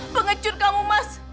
pengecut kamu mas